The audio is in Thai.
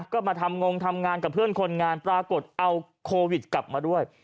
ก็มาทำงงทำงานกับเพื่อนคนงานปรากฏเอาโควิดกลับมาด้วย